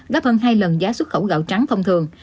gấp hơn hai lần giá xuất khẩu gạo trắng thông thường